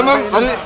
udah kan pak